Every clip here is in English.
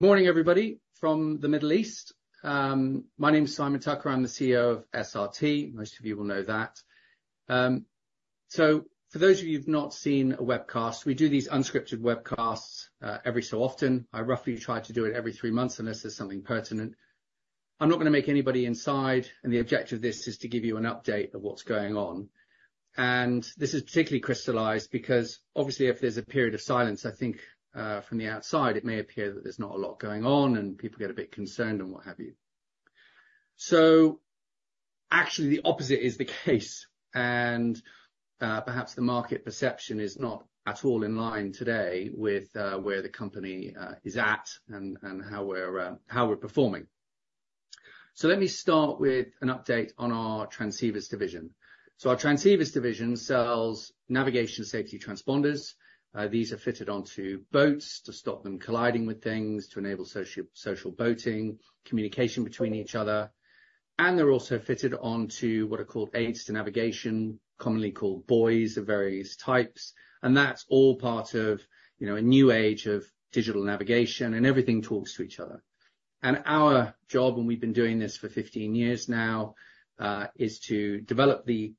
Morning, everybody, from the Middle East. My name is Simon Tucker. I'm the CEO of SRT. Most of you will know that. So for those of you who've not seen a webcast, we do these unscripted webcasts every so often. I roughly try to do it every three months, unless there's something pertinent. I'm not gonna make anybody inside, and the objective of this is to give you an update of what's going on, and this is particularly crystallized because obviously, if there's a period of silence, I think from the outside, it may appear that there's not a lot going on, and people get a bit concerned and what have you. Actually, the opposite is the case, and perhaps the market perception is not at all in line today with where the company is at and how we're performing. Let me start with an update on our transceivers division. Our transceivers division sells navigation safety transponders. These are fitted onto boats to stop them colliding with things, to enable social boating, communication between each other, and they're also fitted onto what are called aids to navigation, commonly called buoys of various types. That's all part of, you know, a new age of digital navigation, and everything talks to each other. Our job, and we've been doing this for 15 years now, is to develop the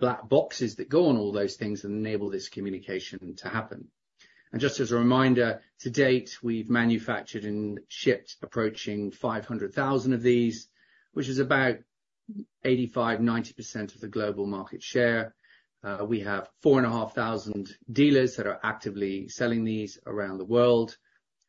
black boxes that go on all those things and enable this communication to happen. Just as a reminder, to date, we've manufactured and shipped approaching 500,000 of these, which is about 85% to 90% of the global market share. We have 4,500 dealers that are actively selling these around the world,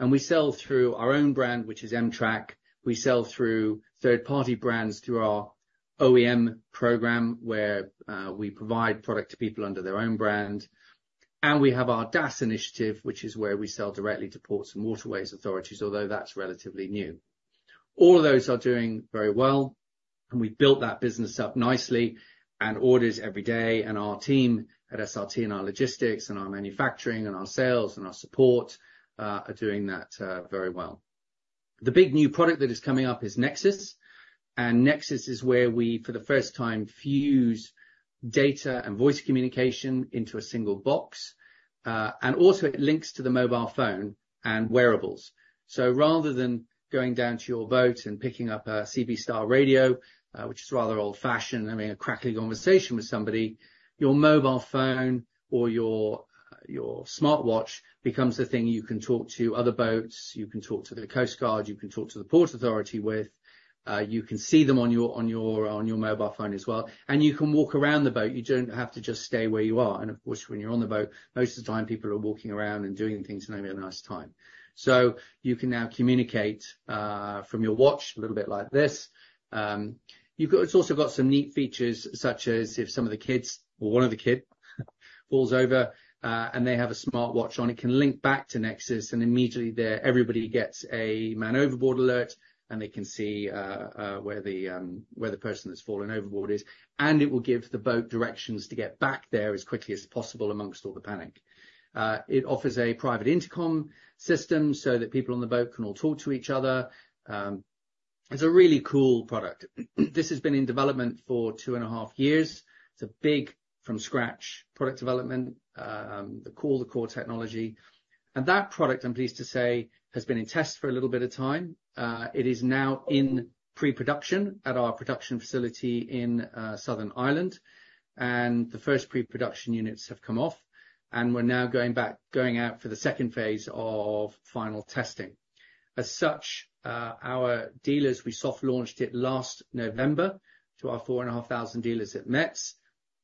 and we sell through our own brand, which is em-trak. We sell through third-party brands through our OEM program, where we provide product to people under their own brand, and we have our DAS initiative, which is where we sell directly to ports and waterways authorities, although that's relatively new. All of those are doing very well, and we've built that business up nicely and orders every day, and our team at SRT, and our logistics, and our manufacturing, and our sales, and our support are doing that very well. The big new product that is coming up is Nexus, and Nexus is where we, for the first time, fuse data and voice communication into a single box and also it links to the mobile phone and wearables. So rather than going down to your boat and picking up a CB-style radio, which is rather old-fashioned, having a crackly conversation with somebody, your mobile phone or your smartwatch becomes a thing you can talk to other boats, you can talk to the Coast Guard, you can talk to the Port Authority with. You can see them on your mobile phone as well, and you can walk around the boat. You don't have to just stay where you are, and of course, when you're on the boat, most of the time people are walking around and doing things and having a nice time. So you can now communicate from your watch, a little bit like this. It's also got some neat features, such as if some of the kids or one of the kid falls over and they have a smartwatch on, it can link back to Nexus, and immediately there, everybody gets a Man Overboard alert, and they can see where the person that's fallen overboard is, and it will give the boat directions to get back there as quickly as possible amongst all the panic. It offers a private intercom system so that people on the boat can all talk to each other. It's a really cool product. This has been in development for two and a half years. It's a big from-scratch product development, the core technology. That product, I'm pleased to say, has been in test for a little bit of time. It is now in pre-production at our production facility in Southern Ireland, and the first pre-production units have come off, and we're now going back, going out for the second phase of final testing. As such, our dealers, we soft launched it last November to our four and a half thousand dealers at METS,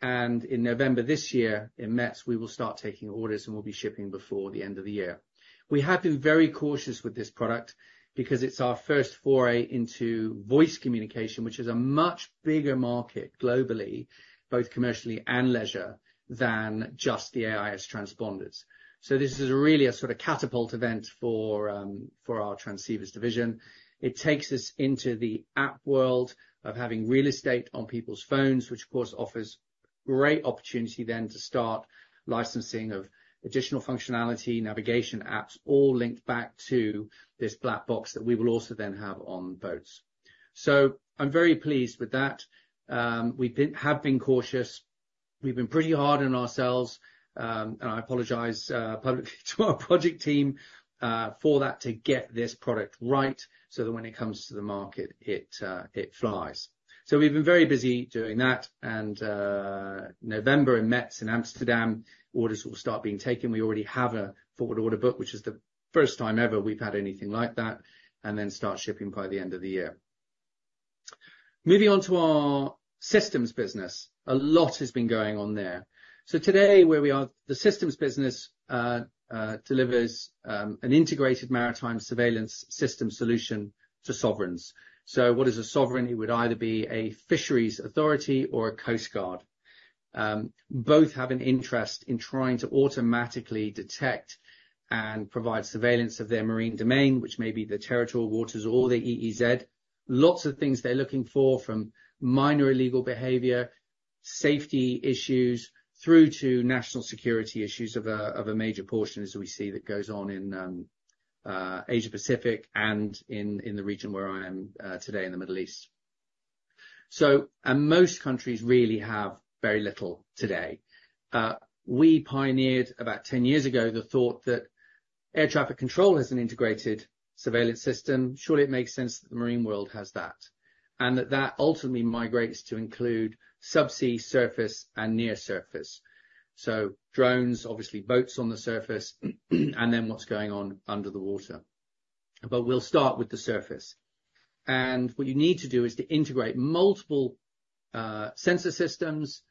and in November this year, in METS, we will start taking orders, and we'll be shipping before the end of the year. We have been very cautious with this product because it's our first foray into voice communication, which is a much bigger market globally, both commercially and leisure, than just the AIS transponders. This is really a sort of catapult event for our transceivers division. It takes us into the app world of having real estate on people's phones, which of course, offers great opportunity then to start licensing of additional functionality, navigation apps, all linked back to this black box that we will also then have on boats, so I'm very pleased with that. We've been cautious. We've been pretty hard on ourselves, and I apologize publicly to our project team for that to get this product right, so that when it comes to the market, it flies, so we've been very busy doing that, and November in METS in Amsterdam, orders will start being taken. We already have a forward order book, which is the first time ever we've had anything like that, and then start shipping by the end of the year. Moving on to our systems business, a lot has been going on there. So today, where we are, the systems business delivers an integrated maritime surveillance system solution to sovereigns. So what is a sovereign? It would either be a fisheries authority or a coast guard. Both have an interest in trying to automatically detect and provide surveillance of their marine domain, which may be the territorial waters or the EEZ. Lots of things they're looking for, from minor illegal behavior, safety issues, through to national security issues of a major portion, as we see, that goes on in Asia Pacific and in the region where I am today in the Middle East. So, and most countries really have very little today. We pioneered, about ten years ago, the thought that air traffic control has an integrated surveillance system. Surely it makes sense that the marine world has that, and that, that ultimately migrates to include subsea, surface, and near surface, so drones, obviously, boats on the surface, and then what's going on under the water, but we'll start with the surface, and what you need to do is to integrate multiple sensor systems,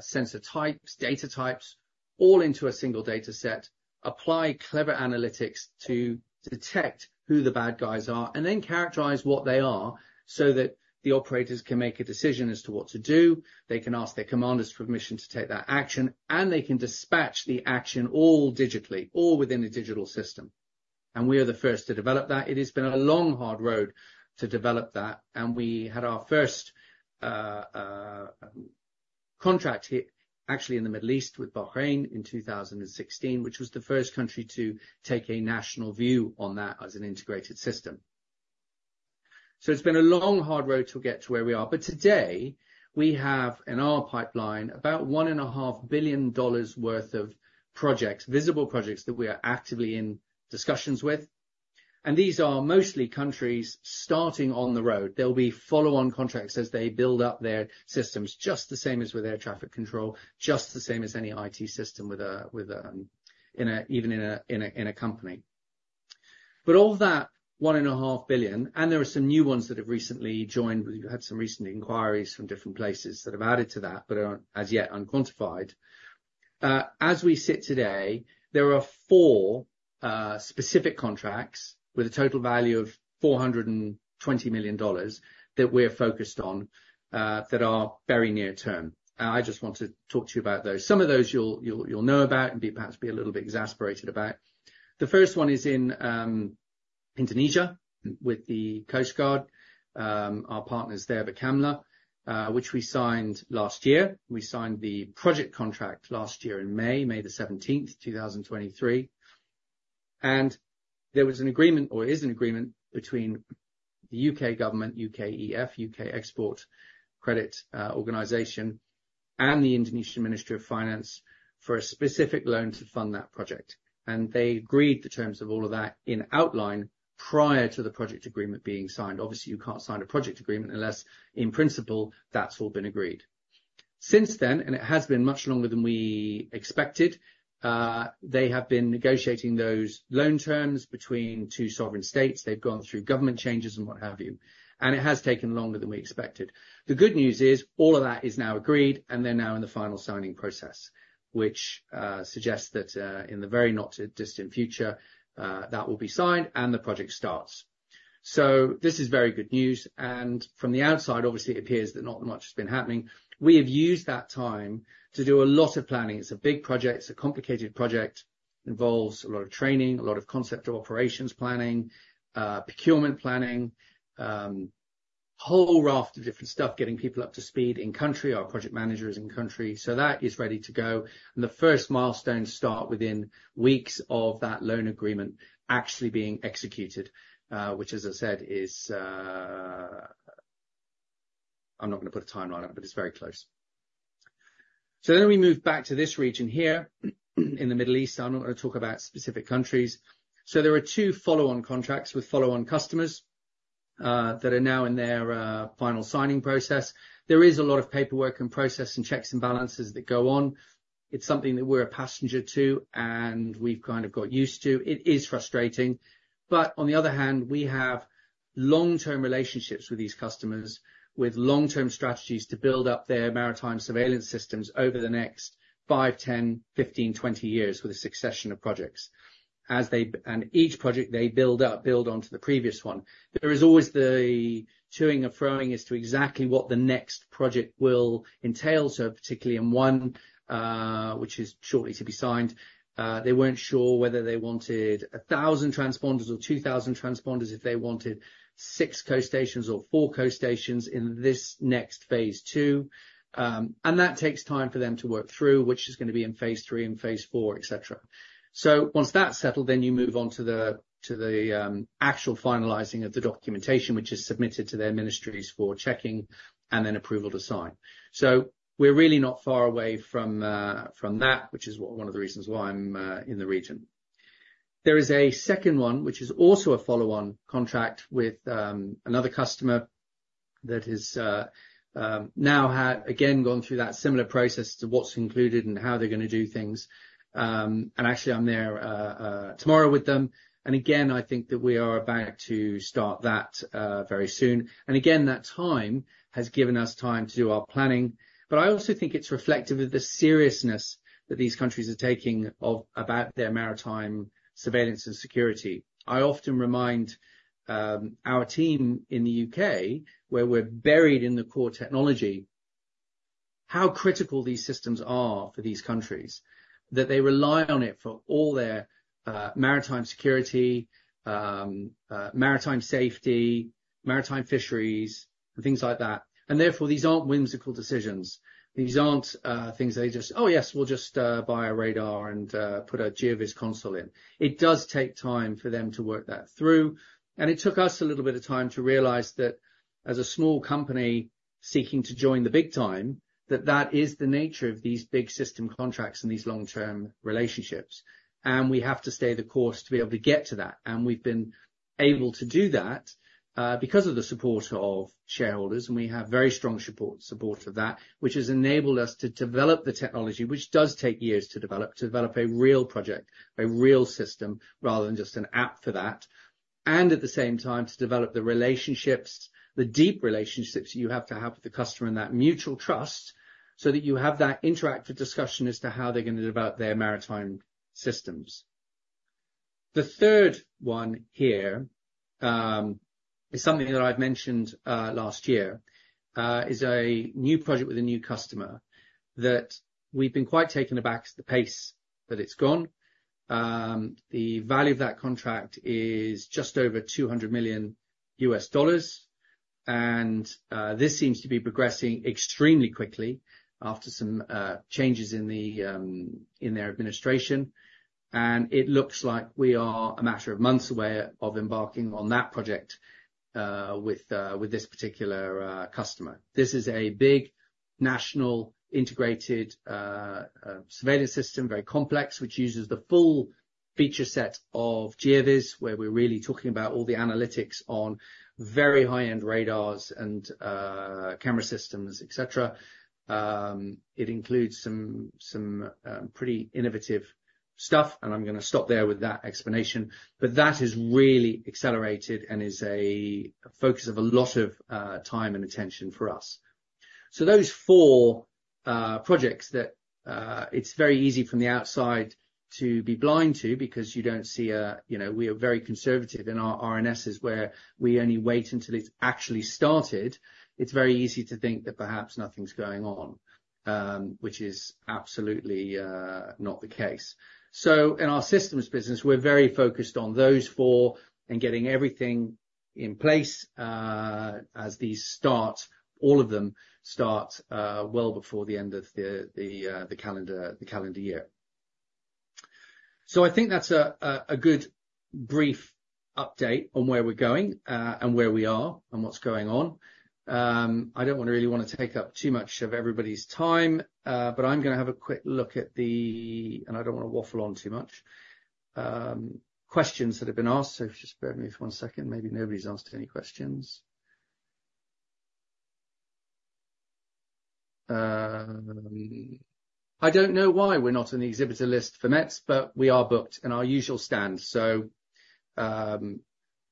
sensor types, data types, all into a single data set, apply clever analytics to detect who the bad guys are, and then characterize what they are, so that the operators can make a decision as to what to do. They can ask their commanders for permission to take that action, and they can dispatch the action all digitally, all within a digital system, and we are the first to develop that. It has been a long, hard road to develop that, and we had our first contract here, actually in the Middle East with Bahrain in two thousand and sixteen, which was the first country to take a national view on that as an integrated system. So it's been a long, hard road to get to where we are, but today, we have, in our pipeline, about $1.5 billion worth of projects, visible projects that we are actively in discussions with. And these are mostly countries starting on the road. There'll be follow-on contracts as they build up their systems, just the same as with air traffic control, just the same as any IT system with a, even in a company. But all that $1.5 billion, and there are some new ones that have recently joined. We've had some recent inquiries from different places that have added to that, but are, as yet, unquantified. As we sit today, there are four specific contracts with a total value of $420 million that we're focused on, that are very near term. And I just want to talk to you about those. Some of those you'll know about and be perhaps a little bit exasperated about. The first one is in Indonesia with the Coast Guard, our partners there, Bakamla, which we signed last year. We signed the project contract last year in May, May the seventeenth, 2023. And there was an agreement, or is an agreement, between the U.K. government, UKEF, U.K. Export Finance, and the Indonesian Ministry of Finance for a specific loan to fund that project. And they agreed the terms of all of that in outline prior to the project agreement being signed. Obviously, you can't sign a project agreement unless, in principle, that's all been agreed. Since then, and it has been much longer than we expected, they have been negotiating those loan terms between two sovereign states. They've gone through government changes and what have you, and it has taken longer than we expected. The good news is, all of that is now agreed, and they're now in the final signing process, which suggests that, in the very not too distant future, that will be signed and the project starts. So this is very good news, and from the outside, obviously, it appears that not much has been happening. We have used that time to do a lot of planning. It's a big project. It's a complicated project, involves a lot of training, a lot of concept of operations planning, procurement planning, whole raft of different stuff, getting people up to speed in country, our project manager is in country, so that is ready to go. And the first milestones start within weeks of that loan agreement actually being executed, which, as I said, is... I'm not gonna put a timeline on it, but it's very close. So then we move back to this region here, in the Middle East. I'm not gonna talk about specific countries. So there are two follow-on contracts with follow-on customers, that are now in their, final signing process. There is a lot of paperwork and process, and checks and balances that go on. It's something that we're a passenger to, and we've kind of got used to. It is frustrating, but on the other hand, we have long-term relationships with these customers, with long-term strategies to build up their maritime surveillance systems over the next five, ten, fifteen, twenty years with a succession of projects. And each project they build up, build on to the previous one. There is always the toing and froing as to exactly what the next project will entail. Particularly in one which is shortly to be signed, they weren't sure whether they wanted a thousand transponders or two thousand transponders, if they wanted six coast stations or four coast stations in this next phase two. And that takes time for them to work through, which is gonna be in phase three and phase four, et cetera. So once that's settled, then you move on to the actual finalizing of the documentation, which is submitted to their ministries for checking and then approval to sign. So we're really not far away from that, which is one of the reasons why I'm in the region. There is a second one, which is also a follow-on contract with another customer that has now had again gone through that similar process to what's included and how they're gonna do things. And actually, I'm there tomorrow with them. And again, I think that we are about to start that very soon. And again, that time has given us time to do our planning. But I also think it's reflective of the seriousness that these countries are taking about their maritime surveillance and security. I often remind our team in the U.K., where we're buried in the core technology, how critical these systems are for these countries, that they rely on it for all their maritime security, maritime safety, maritime fisheries, and things like that. And therefore, these aren't whimsical decisions. These aren't things they just, "Oh, yes, we'll just buy a radar and put a GeoVS console in." It does take time for them to work that through, and it took us a little bit of time to realize that as a small company... Seeking to join the big time, that is the nature of these big system contracts and these long-term relationships, and we have to stay the course to be able to get to that. We've been able to do that because of the support of shareholders, and we have very strong support from that, which has enabled us to develop the technology, which does take years to develop a real project, a real system, rather than just an app for that, and at the same time, to develop the relationships, the deep relationships you have to have with the customer, and that mutual trust, so that you have that interactive discussion as to how they're gonna develop their maritime systems. The third one here is something that I've mentioned last year is a new project with a new customer that we've been quite taken aback at the pace that it's gone. The value of that contract is just over $200 million, and this seems to be progressing extremely quickly after some changes in their administration, and it looks like we are a matter of months away of embarking on that project with this particular customer. This is a big national integrated surveillance system, very complex, which uses the full feature set of GeoVS, where we're really talking about all the analytics on very high-end radars and camera systems, et cetera. It includes some pretty innovative stuff, and I'm gonna stop there with that explanation. But that has really accelerated and is a focus of a lot of time and attention for us. So those four projects that it's very easy from the outside to be blind to, because you don't see a. You know, we are very conservative in our RNSs where we only wait until it's actually started. It's very easy to think that perhaps nothing's going on, which is absolutely not the case. So in our systems business, we're very focused on those four and getting everything in place as these start, all of them start well before the end of the calendar year. So I think that's a good brief update on where we're going and where we are, and what's going on. I don't really wanna take up too much of everybody's time, but I'm gonna have a quick look at the... And I don't wanna waffle on too much questions that have been asked, so if you just bear with me for one second, maybe nobody's asked any questions. "I don't know why we're not on the exhibitor list for METS, but we are booked in our usual stand." So,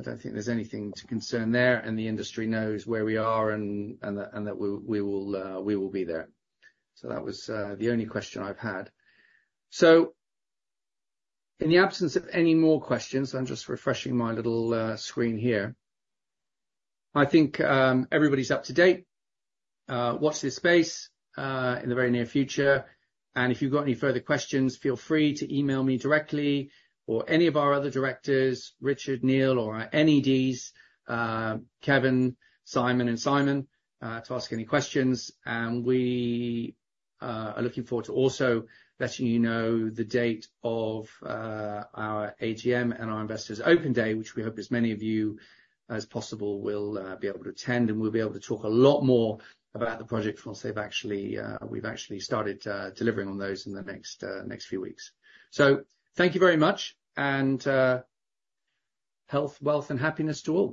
I don't think there's anything to concern there, and the industry knows where we are and that we will be there. So that was the only question I've had. So in the absence of any more questions, I'm just refreshing my little screen here. I think everybody's up to date. Watch this space in the very near future, and if you've got any further questions, feel free to email me directly or any of our other directors, Richard, Neil, or our NEDs, Kevin, Simon, and Simon, to ask any questions. We are looking forward to also letting you know the date of our AGM and our Investors Open Day, which we hope as many of you as possible will be able to attend. We'll be able to talk a lot more about the projects once we've actually started delivering on those in the next few weeks. Thank you very much, and health, wealth, and happiness to all.